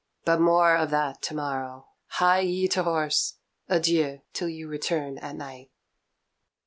"But more of that to morrow. Hie you to horse! Adieu till you return at night."